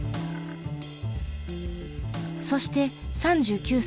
そして３９歳。